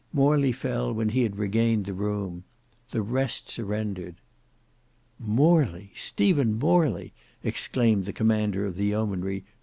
Morley fell when he had regained the room. The rest surrendered. "Morley! Stephen Morley!" exclaimed the commander of the yeomanry.